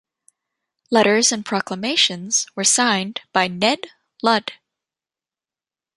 Letters and proclamations were signed by "Ned Ludd".